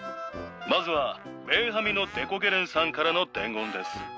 まずはベンハミノ・デコゲレンさんからの伝言です。